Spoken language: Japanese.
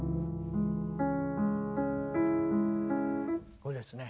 これですね。